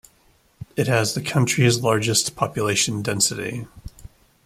It has the country's largest population density.